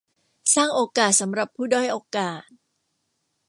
สร้างโอกาสสำหรับผู้ด้อยโอกาส